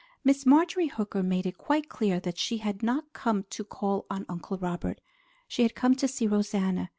Miss Marjorie Hooker made it quite clear that she had not come to call on Uncle Robert. She had come to see Rosanna.